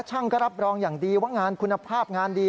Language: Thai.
ก็รับรองอย่างดีว่างานคุณภาพงานดี